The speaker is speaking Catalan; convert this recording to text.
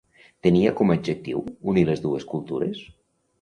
Tenia com a objectiu unir les dues cultures?